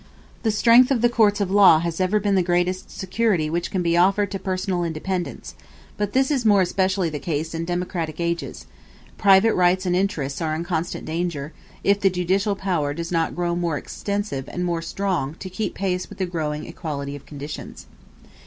The strength of the courts of law has ever been the greatest security which can be offered to personal independence; but this is more especially the case in democratic ages: private rights and interests are in constant danger, if the judicial power does not grow more extensive and more strong to keep pace with the growing equality of conditions.